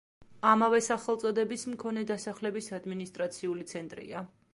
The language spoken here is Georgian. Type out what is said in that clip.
ამავე სახელწოდების მქონე დასახლების ადმინისტრაციული ცენტრია.